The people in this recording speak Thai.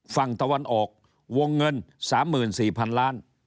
ฝั่งตะวันออกวงเงินสามหมื่นสี่พันล้าน